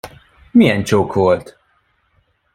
Milyen csók volt?